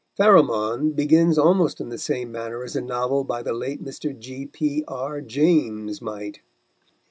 Pharamond begins almost in the same manner as a novel by the late Mr. G.P.R. James might.